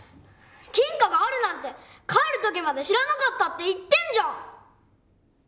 金貨があるなんて帰る時まで知らなかったって言ってんじゃん！